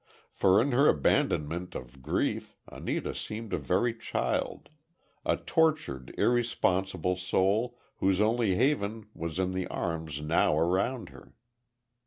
For in her abandonment of grief, Anita seemed a very child, a tortured irresponsible soul, whose only haven was in the arms now around her.